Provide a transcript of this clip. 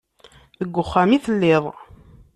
Deg uxxam i telliḍ.